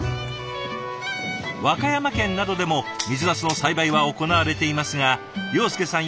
和歌山県などでも水なすの栽培は行われていますが庸介さん